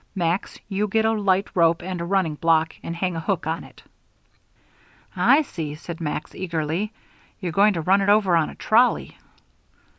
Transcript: Max, you get a light rope and a running block, and hang a hook on it." "I see," said Max, eagerly. "You're going to run it over on a trolley."